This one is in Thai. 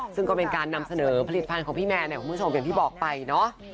ซึ่งก็เป็นการนำเสนอผลิตภัณฑ์ของพี่แมนเนี่ยคุณผู้ชมอย่างที่บอกไปเนาะ